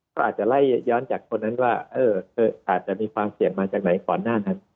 ก็อาจจะไล่ย้อนจากคนนั้นว่าอาจจะมีความเสี่ยงมาจากไหนก่อนหน้านั้น